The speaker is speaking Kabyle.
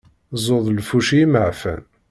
Ẓẓur d lfuci imeεfan.